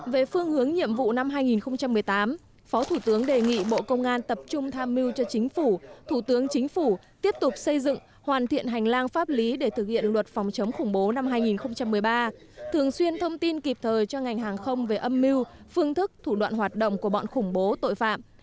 về phương hướng nhiệm vụ năm hai nghìn một mươi tám phó thủ tướng đề nghị bộ công an tập trung tham mưu cho chính phủ thủ tướng chính phủ tiếp tục xây dựng hoàn thiện hành lang pháp lý để thực hiện luật phòng chống khủng bố năm hai nghìn một mươi ba thường xuyên thông tin kịp thời cho ngành hàng không về âm mưu phương thức thủ đoạn hoạt động của bọn khủng bố tội phạm